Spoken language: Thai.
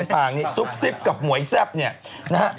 อะไรอ่ะพางนี่ซุปซิปกับหมวยแซ่บเนี่ยนะคะ